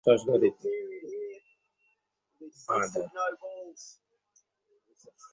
আজ আমি যা-কিছু করছি সে আমার নয়, সে তারই লীলা।